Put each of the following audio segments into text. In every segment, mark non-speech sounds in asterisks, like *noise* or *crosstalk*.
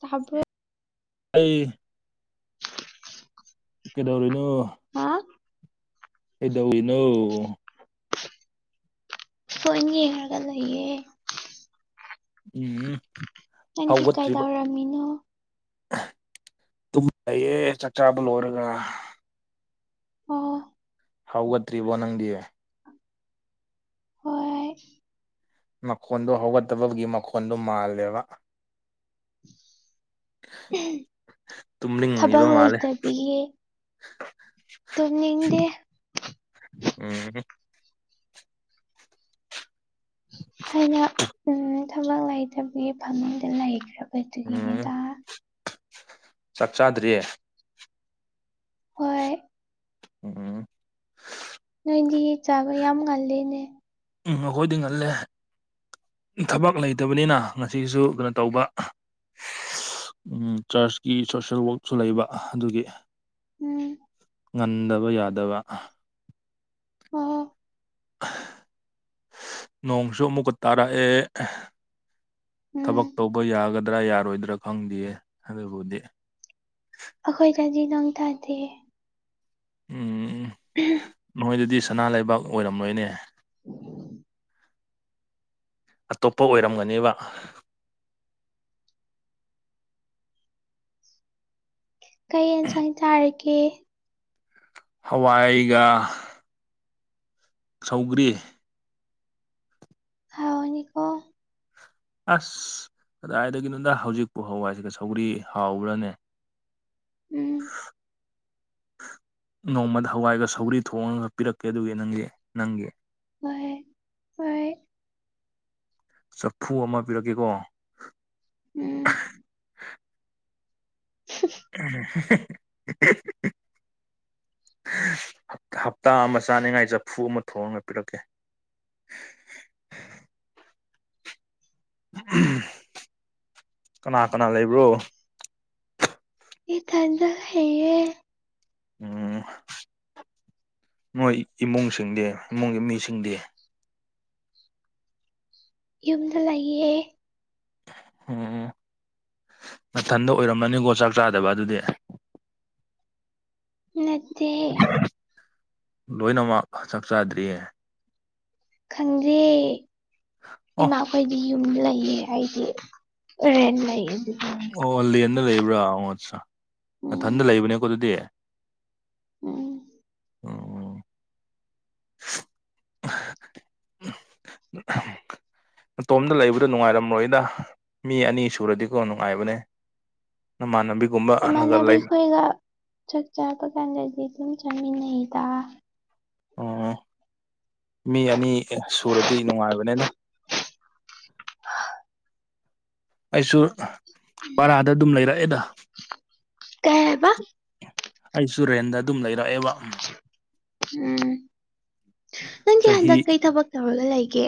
ꯕ ꯑꯩ ꯀꯩꯗꯧꯔꯤꯅꯣ ꯍꯥ ꯀꯗꯧꯋꯤꯅꯣ ꯐꯣꯟ ꯌꯦꯡꯉꯒ ꯂꯩꯌꯦ ꯎꯝ ꯅꯪꯗꯤ ꯍꯧꯒꯠꯇ꯭ꯔꯤꯕ ꯀꯥꯏꯗꯧꯔꯝꯃꯤꯅꯣ ꯇꯨꯝ ꯂꯩꯌꯦ ꯆꯥꯛ ꯆꯥꯥꯕ ꯂꯣꯏꯔꯒ ꯑꯣ ꯍꯧꯒꯠꯇ꯭ꯔꯤꯕꯣ ꯅꯪꯗꯤ ꯍꯣꯢ ꯃꯈꯣꯟꯗꯣ ꯍꯧꯒꯠꯇꯕꯒꯤ ꯃꯈꯣꯟꯗꯣ ꯃꯥꯜꯂꯦꯕ ꯇꯨꯝꯅꯤꯡꯉꯤꯕ ꯊꯕꯛ ꯃꯥꯜꯂꯦ ꯂꯩꯇꯕꯒꯤ *inaudible* ꯇꯨꯝꯅꯤꯡꯗꯦ ꯎꯝ ꯑꯩꯅ ꯎ ꯊꯕꯛ ꯂꯩꯇꯕꯒꯤ ꯐꯃꯨꯡꯗ ꯎꯝ ꯂꯩꯈ꯭ꯔꯕꯗꯨꯒꯤꯅꯦꯗ ꯆꯥꯛ ꯆꯥꯗ꯭ꯔꯤꯌꯦ ꯍꯣꯏ ꯎꯝ ꯅꯣꯏꯗꯤ ꯆꯥꯕ ꯌꯥꯝ ꯉꯜꯂꯦꯅꯦ ꯎꯝ ꯑꯩꯈꯣꯏꯗꯤ ꯉꯜꯂꯦ ꯊꯕꯛ ꯂꯩꯇꯕꯅꯤꯅ ꯉꯁꯤꯁꯨ ꯀꯩꯅꯣ ꯇꯧꯕ ꯆꯔꯆꯀꯤ ꯁꯣꯁꯦꯜ ꯋꯛꯁꯨ ꯂꯩꯕ ꯑꯗꯨꯒꯤ ꯎꯝ ꯉꯟꯗꯕ ꯌꯥꯗꯕ ꯑꯣ ꯅꯣꯡꯁꯨ ꯑꯃꯨꯛꯀ ꯇꯥꯔꯛꯑꯦ ꯎꯝ ꯊꯕꯛ ꯇꯧꯕ ꯌꯥꯒꯗ꯭ꯔꯥ ꯌꯥꯔꯣꯏꯗ꯭ꯔꯥ ꯈꯪꯗꯦꯌꯦ ꯑꯗꯨꯕꯨꯗꯤ ꯑꯩꯈꯣꯏꯗꯗꯤ ꯅꯣꯡ ꯇꯥꯗꯦ ꯎꯝ ꯅꯣꯏꯗꯗꯤ ꯁꯅꯥ ꯂꯩꯕꯥꯛ ꯑꯣꯏꯔꯝ ꯃꯣꯏꯅꯦ ꯎꯝ *inaudible* ꯑꯇꯣꯞꯄ ꯑꯣꯏꯔꯝꯒꯅꯦꯕ ꯀꯩ ꯌꯦꯟꯁꯥꯡ ꯆꯥꯔꯒꯦ ꯍꯋꯥꯏꯒ ꯁꯧꯒ꯭ꯔꯤ ꯍꯥꯎꯒꯅꯤꯀꯣ ꯑꯁ ꯀꯗꯥꯏꯗꯒꯤꯅꯣꯗ ꯍꯧꯖꯤꯛꯄꯨ ꯍꯋꯥꯏꯒ ꯁꯧꯒ꯭ꯔꯤ ꯍꯥꯎꯕ꯭ꯔꯅꯦ ꯎꯝ ꯅꯣꯡꯃꯗ ꯍꯋꯥꯏꯒ ꯁꯧꯒ꯭ꯔꯤ ꯊꯣꯡꯉꯒ ꯄꯤꯔꯛꯀꯦ ꯑꯗꯨꯒꯤ ꯅꯪꯒꯤ ꯅꯪꯒꯤ ꯍꯣꯢ ꯍꯣꯏ ꯆꯐꯨ ꯑꯃ ꯄꯤꯔꯛꯀꯦꯀꯣ ꯎꯝ *inaudible* ꯑ *inaudible* ꯍꯞꯇꯥ ꯑꯃ ꯆꯥꯅꯤꯡꯉꯥꯏ ꯆꯐꯨ ꯑꯃ ꯊꯣꯡꯑꯒ ꯄꯤꯔꯛꯀꯦ ꯀꯅꯥ ꯀꯅꯥ ꯂꯩꯕ꯭ꯔꯣ ꯢꯊꯥꯟꯇ ꯂꯩꯌꯦ ꯎ ꯅꯣꯏ ꯏꯃꯨꯡꯁꯤꯡꯗꯤ ꯏꯃꯨꯡꯒꯤ ꯃꯤꯁꯤꯡꯗꯤ ꯌꯨꯝꯗ ꯂꯩꯌꯦ ꯑꯝ ꯃꯊꯟꯗ ꯑꯣꯏꯔꯝꯃꯅꯤꯀꯣ ꯆꯥꯛ ꯆꯥꯗꯕ ꯑꯗꯨꯗꯤ ꯅꯠꯇꯦ ꯂꯣꯏꯅꯃꯛ ꯆꯥꯛ ꯆꯥꯗ꯭ꯔꯤ ꯈꯪꯗꯦ ꯑꯣ ꯏꯃꯥꯈꯣꯏꯗꯤ ꯌꯨꯝ ꯂꯩꯌꯦ ꯍꯥꯏꯗꯤ ꯔꯦꯟ ꯂꯩꯌꯦ ꯑꯗꯨꯒꯤ ꯑꯣ ꯂꯦꯟꯗ ꯂꯩꯕ꯭ꯔꯥ ꯑꯣ ꯑꯠꯁꯥ ꯎꯝ ꯅꯊꯟꯗ ꯂꯩꯕꯅꯦꯀꯣ ꯑꯗꯨꯗꯤ ꯎꯝ ꯎ *inaudible* ꯅꯇꯣꯝꯗ ꯂꯩꯕꯗꯣ ꯅꯨꯡꯉꯥꯏꯔꯝꯂꯣꯏꯗ ꯃꯤ ꯑꯅꯤ ꯁꯨꯔꯗꯤꯀꯣ ꯅꯨꯡꯉꯥꯏꯕꯅꯦ ꯅꯃꯥꯟꯅꯕꯤꯒꯨꯝꯕ ꯑꯃꯒ ꯂꯩ ꯑꯩꯒ ꯆꯥꯛ ꯆꯥꯄ ꯀꯥꯟꯗꯗꯤ ꯑꯗꯨꯝ ꯆꯠꯃꯤꯟꯅꯩꯗ ꯎꯝ ꯃꯤ ꯑꯅꯤ ꯁꯨꯔꯗꯤ ꯅꯨꯡꯉꯥꯏꯕꯅꯤꯅ *inaudible* ꯑꯩꯁꯨ ꯄꯔꯥꯗ ꯑꯗꯨꯝ ꯂꯩꯔꯛꯑꯦꯗ ꯀꯩ ꯍꯥꯏꯕ ꯑꯩꯁꯨ ꯔꯦꯟꯗ ꯑꯗꯨꯝ ꯂꯩꯔꯛꯑꯦꯕ ꯎꯝ ꯅꯪꯒꯤ ꯆꯍꯤ ꯍꯟꯗꯛ ꯀꯩ ꯊꯕꯛ ꯇꯧꯔꯒ ꯂꯩꯒꯦ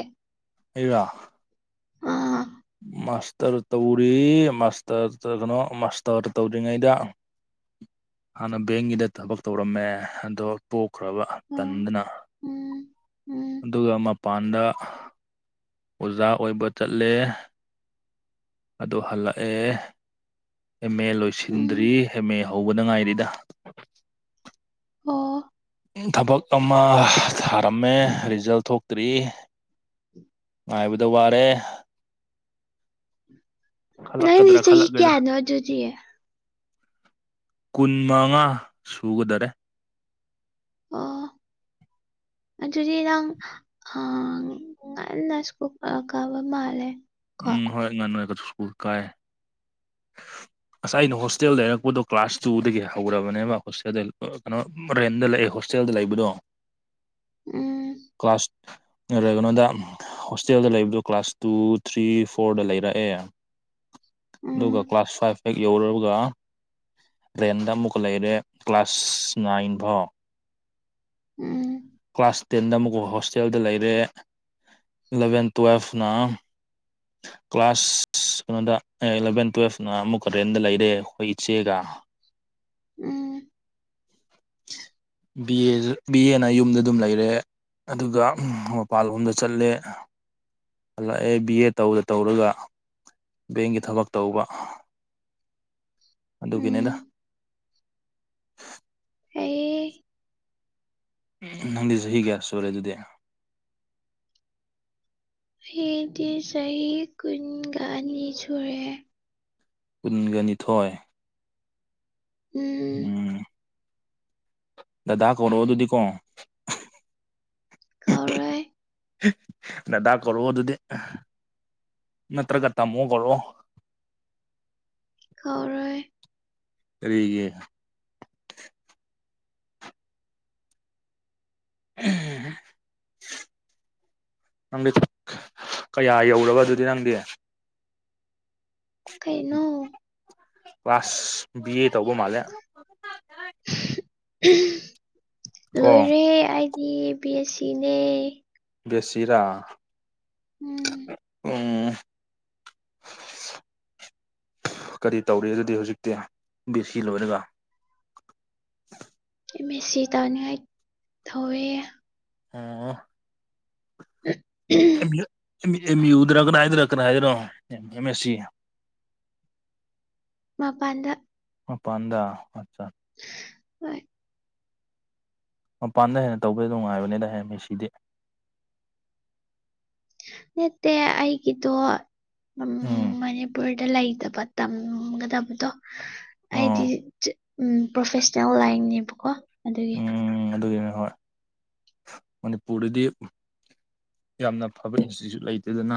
ꯑꯩꯔ ꯑꯥ ꯃꯥꯁꯇꯔ ꯇꯧꯔꯤ ꯃꯥꯁꯇꯔ ꯀꯩꯅꯣ ꯃꯥꯁꯇꯔ ꯇꯧ꯭ꯔꯤꯉꯩꯗ ꯍꯥꯟꯅ ꯕꯦꯡꯒꯤꯗ ꯊꯕꯛ ꯇꯧꯔꯝꯃꯦ ꯑꯗꯣ ꯇꯣꯛꯈ꯭ꯔꯕ ꯑꯣ ꯇꯟꯗꯅ ꯎꯝ ꯎꯝ ꯑꯗꯨꯒ ꯃꯄꯥꯟꯗ ꯑꯣꯖꯥ ꯑꯣꯏꯕ ꯆꯠꯂꯦ ꯑꯗꯨ ꯍꯜꯂꯛꯑꯦ M A um ꯂꯣꯏꯁꯤꯟꯗ꯭ꯔꯤ M A ꯍꯧꯕꯗ ꯉꯥꯏꯔꯤꯗ ꯑꯣ ꯊꯕꯛ ꯑꯃ ꯊꯥꯔꯝꯃꯦ ꯔꯤꯖꯜ ꯊꯣꯛꯇ꯭ꯔꯤ ꯉꯥꯏꯕꯗ ꯋꯥꯔꯦ ꯅ ꯅ ꯆꯍꯤ ꯈꯜꯂꯛꯀꯗ꯭ꯔꯥ ꯆꯍꯤ ꯈꯜꯂꯛꯂꯣꯏꯗ꯭ꯔꯥ ꯀꯌꯥꯅ ꯑꯗꯨꯗꯤ ꯀꯨꯟ ꯃꯉꯥ ꯁꯨꯒꯗꯔꯦ ꯑꯣ *inaudible* ꯑꯗꯨꯗꯤ ꯅꯪ ꯑ ꯉꯁꯤ ꯀꯥꯕ ꯃꯥꯂꯦ ꯎꯝ ꯍꯣꯏ ꯉꯥꯡꯅꯨꯉꯥꯏꯀꯁꯨ ꯁ꯭ꯀꯨꯜ ꯀꯥꯏꯦ ꯉꯁꯥꯏ ꯑꯩꯅ ꯍꯣꯁꯇꯦꯜ ꯂꯩꯔꯛꯄꯗꯣ ꯀ꯭ꯂꯥꯁ ꯇꯨꯗꯒꯤ ꯍꯧꯔꯕꯅꯦꯕ ꯍꯣꯁꯇꯦꯜꯗ ꯀꯩꯅꯣ ꯔꯦꯟꯗ ꯂꯩꯦ ꯍꯣꯁꯇꯦꯜꯗ ꯂꯩꯕꯗꯣ ꯎꯝ ꯀ꯭ꯂꯥꯁ ꯀꯩꯅꯣꯗ ꯍꯣꯁꯇꯦꯜꯗ ꯂꯩꯕꯗꯣ ꯀ꯭ꯂꯥꯁ ꯇꯨ ꯊ꯭ꯔꯤ ꯐꯣꯔꯗ ꯂꯩꯔꯛꯑꯦ ꯑꯗꯨꯒ ꯎꯝ ꯀ꯭ꯂꯥꯁ ꯐꯥꯏꯚ ꯍꯦꯛ ꯌꯧꯔꯨꯔꯒ ꯔꯦꯟꯗ ꯑꯃꯨꯛꯀ ꯂꯩꯔꯦ ꯀ꯭ꯂꯥꯁ ꯅꯥꯏꯟ ꯐꯥꯎ ꯎꯝ ꯀ꯭ꯂꯥꯁ ꯇꯦꯟꯗ ꯑꯃꯨꯛꯀ ꯍꯣꯁꯇꯦꯜꯗ ꯂꯩꯔꯦ ꯏꯂꯚꯦꯟ ꯇꯨꯋꯦꯜꯐꯅ ꯍ ꯀ꯭ꯂꯥꯁ ꯀꯩꯅꯣꯗ ꯏꯂꯚꯦꯟ ꯇꯨꯋꯦꯜꯐꯅ ꯑꯃꯨꯛꯀ ꯔꯦꯟꯗ ꯂꯩꯔꯦ ꯑꯩꯈꯣꯏ ꯏꯆꯦꯒ ꯎꯝ ꯕꯤ ꯑꯦ ꯕꯤ ꯑꯦꯅ ꯌꯨꯝꯗ ꯑꯗꯨꯝ ꯂꯩꯔꯦ ꯑꯗꯨꯒ ꯃꯄꯥꯟꯂꯣꯝꯗ ꯆꯠꯂꯦ ꯂꯥꯛꯑꯦ ꯕꯤ ꯑꯦ ꯇꯧꯔ ꯇꯧꯔꯒ ꯕꯦꯡꯒꯤ ꯊꯕꯛ ꯇꯧꯕ ꯑꯗꯨꯒꯤꯅꯤꯅ ꯎꯝ ꯑꯩ ꯅꯪꯗꯤ ꯆꯍꯤ ꯀꯌꯥ ꯁꯨꯔꯦ ꯑꯗꯨꯗꯤ ꯑꯩꯗꯤ ꯆꯍꯤ ꯀꯨꯟꯒ ꯑꯅꯤ ꯁꯨꯔꯦꯦ ꯀꯨꯟꯒ ꯅꯤꯊꯣꯏ ꯎꯝ ꯎꯝ ꯗꯗꯥ ꯀꯧꯔꯛꯑꯣ ꯑꯗꯨꯗꯤꯀꯣ ꯀꯥꯎꯔꯣꯏ ꯗꯗꯥ ꯀꯧꯔꯣ ꯑꯗꯨꯗꯤ ꯅꯠꯇ꯭ꯔꯒ ꯇꯥꯃꯣ ꯀꯧꯔꯣ ꯈꯧꯔꯣꯏ ꯇꯔꯔꯤꯒꯤꯦ ꯎꯝ ꯅꯪꯗꯤ ꯀꯌꯥ ꯌꯧꯔꯕ ꯑꯗꯨꯗꯤ ꯅꯪꯗꯤ ꯀꯩꯅꯣ ꯕꯥꯁ ꯕꯤ ꯑꯦ ꯇꯧꯕ ꯃꯥꯜꯂꯦ ꯀꯣ ꯂꯣꯏꯔꯦ ꯑꯩꯗꯤ ꯕꯤ ꯑꯦ ꯁꯤꯅꯦ ꯕꯦꯁꯤꯔꯥ ꯎꯝ ꯎꯝ ꯀꯔꯤ ꯇꯧꯔꯤ ꯑꯗꯨꯗꯤ ꯍꯧꯖꯤꯛꯇꯤ ꯕꯦꯁꯤ ꯂꯣꯏꯔꯒ ꯑꯦꯝꯃꯦꯁꯤ ꯇꯧꯅꯉꯥꯏ ꯊꯧꯋꯦ ꯑꯣ *inaudible* ꯑꯦꯝꯌꯨꯠ ꯑꯦꯝ ꯑꯦꯝ ꯌꯨ ꯗꯥꯔ ꯀꯗꯥꯏꯗꯔ ꯀꯗꯥꯏꯗꯔꯣ ꯑꯦꯝ ꯑꯦꯁ ꯁꯤ ꯃꯄꯥꯟꯗ ꯄꯥꯟꯗ ꯑꯆꯥ ꯍ ꯃꯄꯥꯟꯗ ꯍꯦꯟꯅ ꯇꯧꯕꯗ ꯅꯨꯡꯉꯥꯏꯕꯅꯤꯅ ꯍꯌꯦ ꯃꯤꯦꯁꯤꯗꯤ ꯅꯠꯇꯦ ꯑꯩꯒꯤꯗꯣ ꯎꯝ ꯃꯅꯤꯄꯨꯔꯗ ꯂꯩꯇꯕ ꯇꯝꯒꯗꯕꯗꯣ ꯑꯩꯗꯤ ꯑꯣ ꯎꯝ ꯄ꯭ꯔꯣꯐꯦꯁꯅꯦꯜ ꯂꯥꯏꯟꯅꯦꯕꯀꯣ ꯑꯗꯨꯒꯤ ꯎꯝ ꯑꯗꯨꯒꯤꯅꯤ ꯍꯣꯏ ꯃꯅꯤꯄꯨꯔꯗꯗꯤ ꯌꯥꯝꯅ ꯐꯕ ꯏꯟꯁꯇꯤꯇ꯭ꯌꯨꯠ ꯂꯩꯇꯦꯗꯅ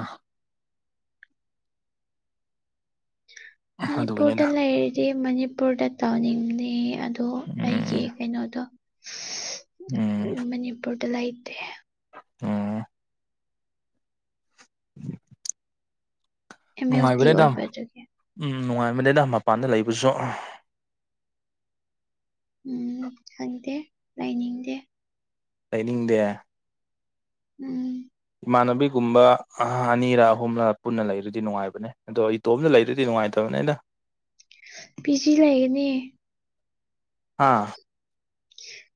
ꯃꯅꯤꯄꯨꯔꯗ ꯑꯗꯨꯒꯅꯦꯗ ꯂꯩꯔꯥꯗꯤ ꯃꯅꯤꯄꯨꯔꯗ ꯇꯧꯅꯤꯡꯗꯦ ꯑꯠ ꯗꯣ ꯑꯩꯒꯤ ꯎꯝ ꯀꯩꯅꯣꯗꯣ ꯃꯅꯤꯄꯨꯔꯗ ꯂꯩꯇꯦ ꯑꯣ ꯑꯦꯝ ꯑꯦꯜ ꯇꯤ ꯅꯨꯡꯉꯥꯏꯕꯅꯦꯗꯥ ꯎꯝ ꯑꯣꯏꯕ ꯑꯗꯨꯒꯤ ꯎꯝ ꯅꯨꯡꯉꯥꯏꯕꯅꯦꯗꯥ ꯃꯄꯥꯟꯗ ꯂꯩꯕꯁꯨ ꯎꯝ ꯈꯪꯗꯦ ꯂꯩꯅꯤꯡꯗꯦ ꯂꯩꯅꯤꯡꯗꯦ ꯎꯝ ꯏꯃꯥꯟꯅꯕꯤꯒꯨꯝꯕ ꯑ ꯑꯅꯤꯔꯥ ꯑꯍꯨꯝꯂ ꯄꯨꯟꯅ ꯂꯩꯔꯗꯤ ꯅꯨꯡꯉꯥꯏꯕꯅꯦ ꯑꯗꯣ ꯏꯇꯣꯝꯗ ꯂꯩꯗꯗꯤ ꯅꯨꯡꯉꯥꯏꯇꯕꯅꯦꯗ ꯄꯤꯖꯤ ꯂꯑꯦꯅꯦ ꯍꯥ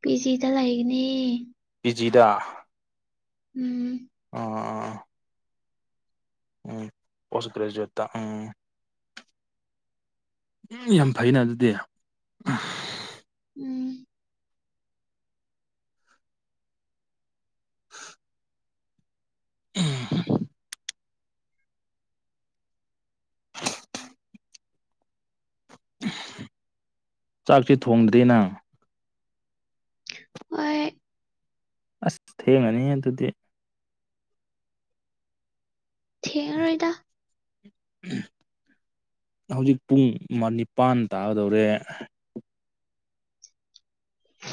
ꯄꯤ ꯖꯤꯗ ꯂꯩꯒꯅꯤ ꯄꯤꯖꯤꯗꯥ ꯎꯝ ꯑ ꯑ ꯎꯝ ꯄꯣꯁꯒ꯭ꯔꯦꯖꯨꯋꯦꯠꯇ ꯎꯝ ꯎꯝ ꯌꯥꯝ ꯐꯩꯩꯅ ꯑꯗꯨꯗꯤ ꯎꯝ *inaudible* ꯎꯝ ꯆꯥꯛꯇꯤ ꯊꯣꯡꯗ꯭ꯔꯤꯌꯦ ꯅꯪ ꯍꯣꯏ ꯑꯁ ꯊꯦꯡꯉꯅꯤꯌꯦ ꯑꯗꯨꯗꯤ ꯊꯦꯡꯉꯔꯣꯏꯗ ꯎꯝ ꯍꯧꯖꯤꯛ ꯄꯨꯡ ꯃꯥ ꯅꯤꯄꯥꯟ ꯇꯥꯒꯗꯧꯔꯦ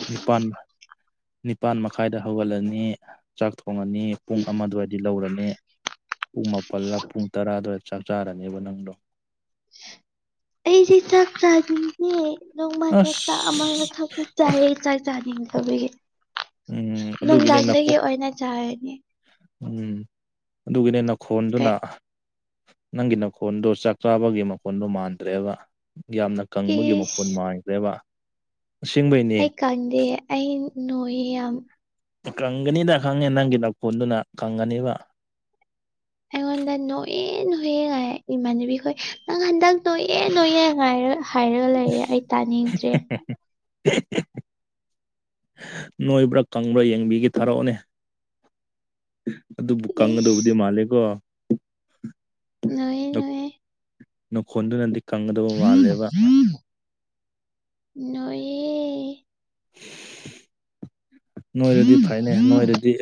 ꯅꯤꯄꯥꯟ ꯅꯤꯄꯥꯟ ꯃꯈꯥꯏꯗ ꯍꯧꯒꯠꯂꯅꯤ ꯆꯥꯛ ꯊꯣꯡꯉꯅꯤ ꯄꯨꯡ ꯑꯃ ꯑꯗꯨꯋꯥꯏꯗꯤ ꯂꯧꯔꯅꯤ ꯄꯨꯡ ꯃꯥꯄꯜꯂꯥ ꯄꯨꯡ ꯇꯔꯥꯗꯨꯋꯥꯢ ꯆꯥꯛ ꯆꯥꯔꯅꯦꯕ ꯅꯪꯗꯣ ꯑꯩꯗꯤ ꯆꯥꯛ ꯆꯥꯅꯤꯡꯉꯦ ꯅꯣꯡꯃꯗ ꯑꯁ ꯆꯥꯛ ꯑꯃꯨꯔꯛ ꯈꯛꯅꯦ ꯆꯥꯏꯌꯦ ꯆꯥꯛ ꯆꯥꯅꯤꯡꯗꯕꯒꯤ ꯎꯝ ꯑꯗꯨꯒꯤꯅꯦ ꯅꯈꯣ ꯅꯨꯡꯗꯥꯡꯗꯒꯤ ꯑꯣꯏꯅ ꯆꯥꯔꯅꯤ ꯎꯝ ꯑꯗꯨꯒꯤꯅꯦ ꯅꯈꯣꯟꯗꯨꯅ ꯀꯩ ꯅꯪꯒꯤ ꯅꯈꯣꯟꯗꯣ ꯆꯥꯛ ꯆꯥꯕꯒꯤ ꯃꯈꯣꯟꯗꯣ ꯃꯥꯟꯗ꯭ꯔꯦꯕ ꯌꯥꯝꯅ ꯀꯪꯕꯒꯤ ꯃꯈꯣꯟ ꯏꯁ ꯃꯥꯟꯈ꯭ꯔꯦꯕ ꯑꯁꯦꯡꯕꯩꯅꯦ ꯑꯩ ꯀꯪꯗꯦ ꯑꯩ ꯅꯣꯏꯌꯦ ꯌꯥꯝ ꯀꯪꯒꯅꯤꯗ ꯈꯪꯉꯦ ꯅꯪꯒꯤ ꯅꯈꯣꯟꯗꯨꯅ ꯀꯪꯒꯅꯤꯕ ꯑꯩꯉꯣꯟꯗ ꯅꯣꯢꯌꯦ ꯅꯣꯏꯌꯦ ꯍꯥꯏ ꯏꯃꯥꯟꯅꯕꯤꯈꯣꯏ ꯅꯪ ꯍꯟꯗꯛ ꯅꯣꯛꯌꯦ ꯅꯣꯏꯌꯦ ꯍꯥꯢꯔꯒ ꯍꯥꯏꯔꯒ ꯂꯩꯌꯦ ꯑꯩ ꯇꯥꯅꯤꯡꯗ꯭ꯔꯦ *unintelligible* ꯅꯣꯏꯕ꯭ꯔꯥ ꯀꯪꯕ꯭ꯔꯥ ꯌꯦꯡꯕꯤꯒꯦ ꯊꯥꯔꯛꯑꯣꯅꯦ ꯎꯝ ꯑꯗꯨꯕꯨ ꯏꯁ ꯀꯪꯒꯗꯧꯕꯗꯤ ꯃꯥꯜꯂꯦꯀꯣ ꯅꯣꯏꯌꯦ ꯅꯣꯏꯌꯦ ꯅꯈꯣꯟꯗꯨꯅꯗꯤ ꯀꯪꯒꯗꯧꯕ ꯃꯥꯜꯂꯦꯕ ꯅꯣꯏꯌꯦ ꯅꯣꯏꯔꯗꯤ ꯐꯩꯅꯦ ꯅꯣꯏꯔꯗꯤ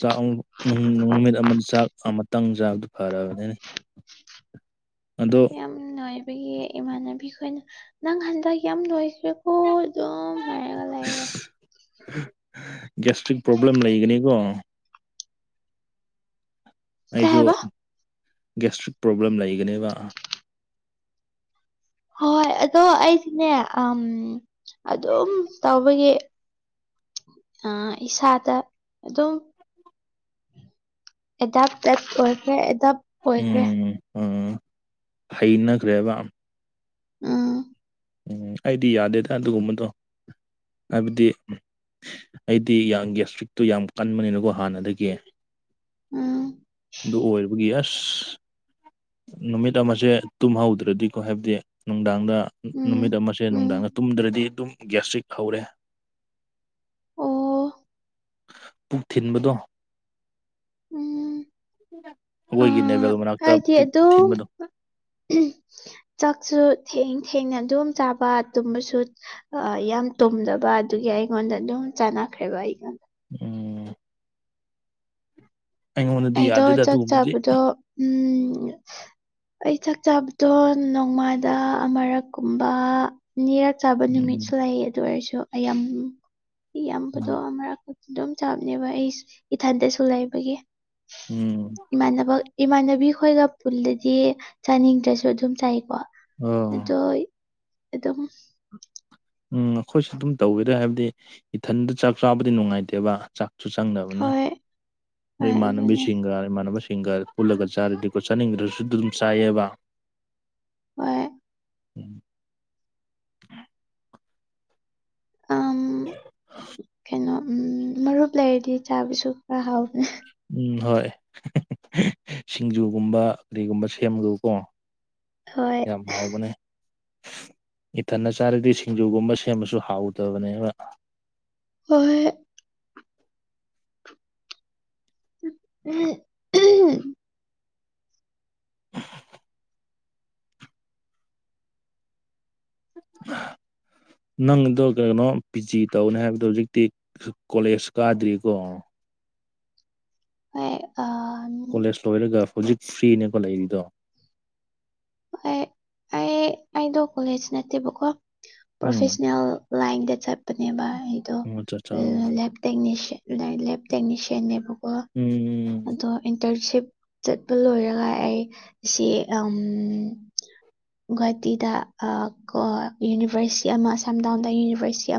ꯆꯥꯛ ꯑꯨꯡ ꯅꯨꯡ ꯅꯨꯃꯤꯠ ꯑꯃꯗ ꯆꯥꯛ ꯑꯃꯇꯪ ꯆꯥꯕꯗꯨ ꯐꯔꯕꯅꯤꯅꯦ ꯑꯗꯣ ꯌꯥꯝ ꯅꯣꯢꯕꯒꯤ ꯏꯃꯥꯟꯅꯕꯤꯈꯣꯏꯅ ꯅꯪ ꯍꯟꯗꯛ ꯌꯥꯝ ꯅꯣꯏꯈ꯭ꯔꯦꯀꯣ ꯑꯗꯨꯝ ꯍꯥꯏꯔꯒ ꯂꯩꯔꯦ ꯒꯦꯁꯇ꯭ꯔꯤꯛ ꯄ꯭ꯔꯣꯕ꯭ꯂꯦꯝ ꯂꯩꯒꯅꯤꯀꯣ ꯀꯩ ꯑꯩꯁꯨ ꯍꯥꯏꯕ ꯒꯦꯁꯇ꯭ꯔꯤꯛ ꯄ꯭ꯔꯣꯕ꯭ꯂꯦꯝ ꯂꯩꯒꯅꯦꯕ ꯍꯣꯏ ꯑꯗꯣ ꯑꯩꯗꯤꯅꯦ ꯑꯝ ꯑꯗꯨꯝ ꯇꯧꯕꯒꯤ ꯑ ꯏꯁꯥꯗ ꯑꯗꯨꯝ ꯑꯦꯗꯥꯞꯇꯦꯠ ꯑꯣꯏꯈ꯭ꯔꯦ ꯑꯦꯗꯥꯞ ꯑꯣꯏꯈ꯭ꯔꯦ ꯎꯝ ꯎꯝ ꯍꯩꯅꯈ꯭ꯔꯦꯕ ꯎꯝ ꯎꯝ ꯑꯩꯗꯤ ꯌꯥꯗꯦꯗ ꯑꯗꯨꯒꯨꯝꯕꯗꯣ ꯍꯥꯏꯕꯗꯤ ꯑꯩꯗꯤ ꯌꯥꯝ ꯒꯦꯁꯇ꯭ꯔꯤꯛꯇꯨ ꯌꯥꯝ ꯀꯟꯕꯅꯤꯅꯀꯣ ꯍꯥꯟꯅꯗꯒꯤ ꯎꯝ ꯑꯗꯨ ꯑꯣꯏꯕꯒꯤ ꯑꯁ ꯅꯨꯃꯤꯠ ꯑꯃꯁꯦ ꯇꯨꯝꯍꯧꯗ꯭ꯔꯗꯤꯀꯣ ꯍꯥꯏꯕꯗꯤ ꯅꯨꯡꯗꯥꯡꯗ ꯎꯝ ꯅꯨꯃꯤꯠ ꯑꯃꯁꯦ ꯎꯝ ꯅꯨꯡꯗꯥꯡꯗ ꯇꯨꯝꯗ꯭ꯔꯗꯤ ꯑꯗꯨꯝ ꯒꯦꯁꯇ꯭ꯔꯤꯛ ꯍꯧꯔꯦ ꯑꯣ ꯄꯨꯛ ꯊꯤꯟꯕꯗꯣ ꯎꯝ ꯑꯩꯈꯣꯏꯒꯤ ꯅꯦꯕꯦꯜ ꯃꯅꯥꯛꯇ ꯄꯨꯛ ꯇꯨꯝ ꯊꯤꯟꯕꯗꯣ ꯆꯥꯛꯁꯨ ꯊꯦꯡ ꯊꯦꯡꯅ ꯑꯗꯨꯝ ꯆꯥꯕ ꯇꯨꯝꯕꯁꯨ ꯌꯥꯝ ꯇꯨꯝꯗꯕ ꯑꯗꯨꯒꯤ ꯑꯩꯉꯣꯟꯗ ꯑꯗꯨꯝ ꯆꯥꯟꯅꯈ꯭ꯔꯦꯕ ꯑꯩꯉꯣꯟꯗ ꯎꯝ ꯑꯩꯉꯣꯟꯗꯗꯤ ꯑꯩꯗꯣ ꯌꯥꯗꯦꯗ ꯆꯥꯛ ꯑꯗꯨꯒꯨꯝꯕꯗꯤ ꯆꯥꯕꯗꯣ ꯎꯝ ꯑꯩ ꯆꯥꯛ ꯆꯥꯕꯗꯣ ꯅꯣꯡꯃꯥꯗ ꯑꯃꯔꯛꯀꯨꯝꯕ ꯅꯤꯔꯛ ꯆꯥꯕ ꯎꯝ ꯅꯨꯃꯤꯠꯁꯨ ꯂꯩ ꯑꯗꯨ ꯑꯣꯏꯔꯁꯨ ꯑꯌꯥꯝꯌꯥꯝꯕꯗꯣ ꯎꯝ ꯃꯔꯛ ꯑꯗꯨꯝ ꯆꯥꯕꯅꯦꯕ ꯑꯩ ꯏꯊꯟꯇꯁꯨ ꯂꯩꯕꯒꯤ ꯎꯝ ꯏꯃꯥꯟꯅꯕ ꯏꯃꯥꯟꯅꯕꯤ ꯈꯣꯏꯒ ꯄꯨꯜꯂꯗꯤ ꯆꯥꯅꯤꯡꯗ꯭ꯔꯁꯨ ꯑꯗꯨꯝ ꯆꯥꯏꯀꯣ ꯑꯥ ꯑꯗꯣ ꯑꯗꯨꯝ ꯎꯝ ꯑꯩꯈꯣꯏꯁꯨ ꯑꯗꯨꯝ ꯇꯧꯋꯦꯗ ꯍꯥꯏꯕꯗꯤ ꯏꯊꯟꯗ ꯆꯥꯛ ꯆꯥꯕꯗꯤ ꯅꯨꯡꯉꯥꯏꯇꯦꯕ ꯆꯥꯛ ꯁꯨ ꯆꯪꯗꯕꯅꯤ ꯍꯣꯏ ꯑꯗꯨ ꯍꯣꯏ ꯑꯗꯨꯅꯦ ꯏꯃꯥꯟꯅꯕꯤꯁꯤꯡꯒ ꯏꯃꯥꯟꯅꯕ ꯁꯤꯡꯒ ꯄꯨꯜꯂꯒ ꯆꯥꯔꯗꯤꯀꯣ ꯆꯥꯅꯤꯡꯗ꯭ꯔꯁꯨ ꯑꯗꯨꯝ ꯆꯥꯏꯌꯦꯕ ꯍꯣꯏ ꯎꯝ ꯑꯝ ꯀꯩꯅꯣ ꯃꯔꯨꯞ ꯂꯩꯔꯗꯤ ꯆꯥꯕꯁꯨ ꯈꯔ ꯍꯥꯎꯕꯅꯦ ꯎꯝ ꯍꯣꯏ ꯁꯤꯡꯖꯨꯒꯨꯝꯕ ꯀꯔꯤꯒꯨꯝꯕ ꯁꯦꯝꯕꯗꯣꯀꯣ ꯍꯣꯏ ꯌꯥꯝ ꯍꯥꯎꯕꯅꯦ ꯏꯊꯟꯅ ꯆꯥꯔꯗꯤ ꯁꯤꯡꯖꯨꯒꯨꯝꯕ ꯁꯦꯝꯕꯁꯨ ꯍꯥꯎꯗꯕꯅꯦꯕ ꯍ ꯍꯣꯏ *unintelligible* *unintelligible* ꯅꯪꯗꯣ ꯀꯩꯅꯣ ꯄꯤ ꯖꯤ ꯇꯧꯅꯤ ꯍꯥꯏꯕꯗꯣ ꯍꯧꯖꯤꯛꯇꯤ ꯀꯣꯂꯦꯖ ꯀꯥꯗ꯭ꯔꯤꯀꯣ ꯍꯣꯏ *unintelligible* ꯀꯣꯂꯦꯖ ꯂꯣꯏꯔꯒ ꯍꯧꯖꯤꯛ ꯐ꯭ꯔꯤꯅꯦꯀꯣ ꯂꯩꯔꯤꯗꯣ ꯑꯩ ꯑꯩ ꯑꯩꯗꯣ ꯀꯣꯂꯦꯖ ꯅꯠꯇꯦꯕꯀꯣ ꯎꯝ ꯄ꯭ꯔꯣꯐꯦꯁ꯭ꯅꯦꯜ ꯂꯥꯏꯟꯗ ꯆꯠꯄꯅꯦꯕ ꯑꯩꯗꯣ ꯑꯆꯥ ꯆꯥ ꯑ__ *unintelligible* ꯇꯦꯛꯅꯤꯁꯤꯌꯟ ꯂꯦꯞ ꯇꯦꯛꯅꯤꯁꯤꯌꯟꯅꯦꯕꯀꯣ ꯎꯝ ꯑꯗꯣ ꯏꯟꯇꯔ꯭ꯟꯁꯤꯞ ꯆꯠꯄ ꯂꯣꯏꯔꯒ ꯑꯩ ꯁꯤ *inaudible* ꯒꯨꯍꯥꯇꯤꯗ ꯀ ꯌꯨꯅꯤꯚꯔꯁꯤꯇꯤ ꯑꯃ ꯑꯝꯗꯥꯎꯟꯗ ꯌꯨꯅꯤꯚꯔꯁꯤꯇꯤ ꯑꯃ